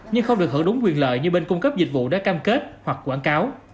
nhưng không được hưởng đúng quyền lợi như bên cung cấp dịch vụ đã cam kết hoặc quảng cáo